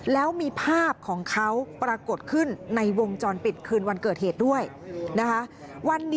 แล้วมีภาพของเขาปรากฏขึ้นในวงจรปิดคืนวันเกิดเหตุด้วยนะคะ